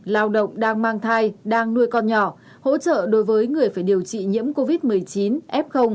lao động đang mang thai đang nuôi con nhỏ hỗ trợ đối với người phải điều trị nhiễm covid một mươi chín f